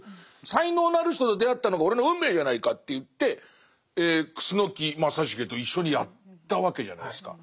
才能のある人と出会ったのが俺の運命じゃないかといって楠木正成と一緒にやったわけじゃないですか。